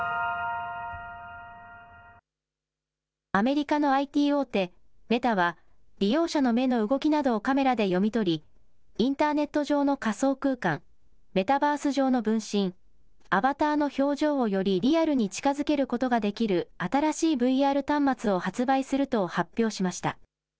アメリカのＩＴ大手、メタは利用者の目の動きなどをカメラで読み取り、インターネット上の仮想空間・メタバース上の分身、アバターの表情をよりリアルに近づけることができる新しいＶＲ端末を発売すると発表しました。